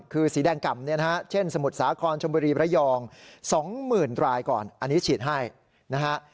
คือสีแดงกล่ำเนี่ยนะฮะเช่นสมุทรสาครชมบุรีระยอง๒๐๐๐รายก่อนอันนี้ฉีดให้นะฮะ